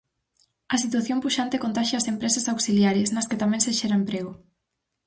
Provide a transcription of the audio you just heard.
A situación puxante contaxia as empresas auxiliares, nas que tamén se xera emprego.